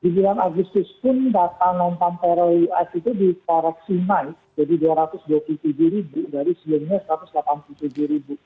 di sembilan agustus pun data nontamperal us itu diperoksimai jadi dua ratus dua puluh tujuh ribu dari silingnya satu ratus delapan puluh tujuh ribu gitu